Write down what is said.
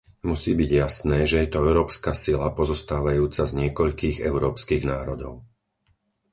Musí byť jasné, že je to európska sila pozostávajúca z niekoľkých európskych národov.